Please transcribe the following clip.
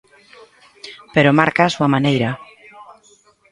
Pero marca á súa maneira.